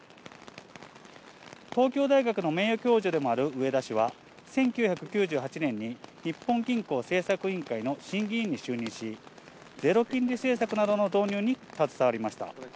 東京大学の名誉教授でもある植田氏は、１９９８年に、日本銀行政策委員会の審議委員に就任し、ゼロ金利政策などの導入に携わりました。